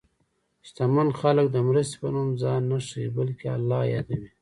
شتمن خلک د مرستې په نوم ځان نه ښيي، بلکې الله یادوي.